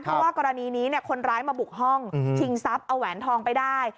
เพราะว่ากรณีนี้คนร้ายมาบุกห้องชิงทรัพย์เอาแหวนทองไปได้